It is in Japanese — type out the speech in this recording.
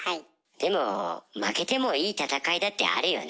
でも負けてもいい戦いだってあるよな。